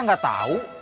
masa gak tau